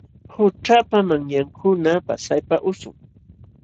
Qućhapa manyankuna pasaypa usum.